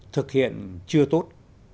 thực hiện chưa tốt